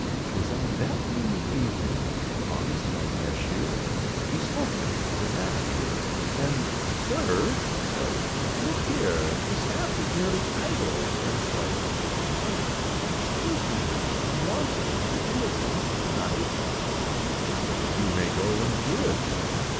'Twas on that gloomy evening, the honest young cashier, Bespoke him to the manager, and "Sir," said he, "Look here, The staff is nearly idle, and so I think you might Excuse me now, I'm wanting to do a thing to night?" "Well, you may go and do it."